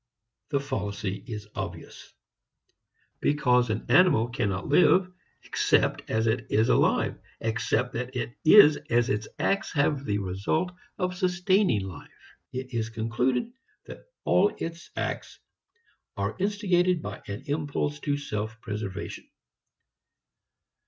The fallacy is obvious. Because an animal cannot live except as it is alive, except that is as its acts have the result of sustaining life, it is concluded that all its acts are instigated by an impulse to self preservation.